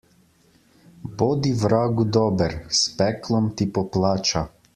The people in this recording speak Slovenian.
Bodi vragu dober, s peklom ti poplača.